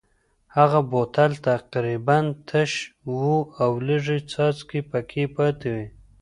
هغه بوتل تقریبا تش و او لږې څاڅکې پکې پاتې وې.